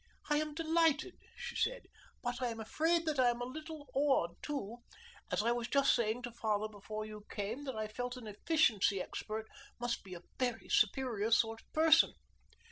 "I am delighted," she said, "but I am afraid that I am a little awed, too, as I was just saying to father before you came that I felt an efficiency expert must be a very superior sort of person."